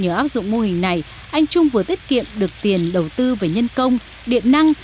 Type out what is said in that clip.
nhờ áp dụng mô hình này anh trung vừa tiết kiệm được tiền đầu tư về nhân công điện năng